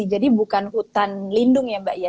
jadi bukan hutan lindung ya mbak ya